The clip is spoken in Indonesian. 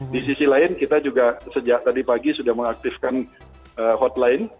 di sisi lain kita juga sejak tadi pagi sudah mengaktifkan hotline